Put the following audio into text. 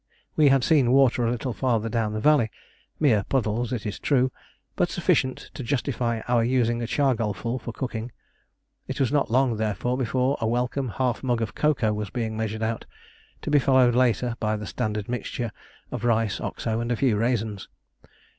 We had seen water a little farther down the valley mere puddles, it is true, but sufficient to justify our using a chargalful for cooking. It was not long, therefore, before a welcome half mug of cocoa was being measured out, to be followed later by the standard mixture of rice, Oxo, and a few raisins.